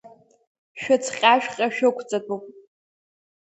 Шәыцҟьа-шәҟьа шәықәҵатәуп!